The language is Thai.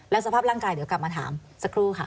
สภาพร่างกายเดี๋ยวกลับมาถามสักครู่ค่ะ